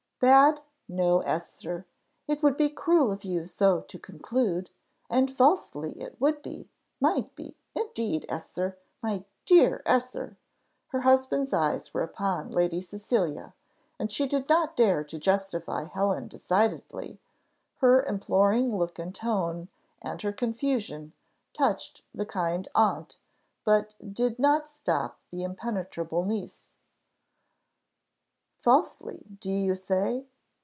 "Bad! no, Esther. It would be cruel of you so to conclude: and falsely it would be might be; indeed, Esther! my dear Esther! " Her husband's eyes were upon Lady Cecilia, and she did not dare to justify Helen decidedly; her imploring look and tone, and her confusion, touched the kind aunt, but did not stop the impenetrable niece. "Falsely, do you say?